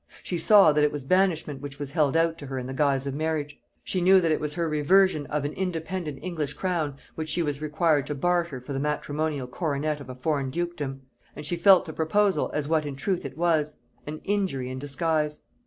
She saw that it was banishment which was held out to her in the guise of marriage; she knew that it was her reversion of an independent English crown which she was required to barter for the matrimonial coronet of a foreign dukedom; and she felt the proposal as what in truth it was; an injury in disguise.